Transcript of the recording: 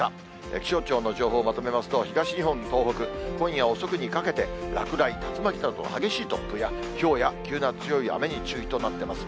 気象庁の情報をまとめますと、東日本、東北、今夜遅くにかけて、落雷、竜巻などの激しい突風やひょうや急な強い雨に注意となっています。